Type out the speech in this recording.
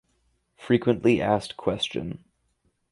Frequently Asked Question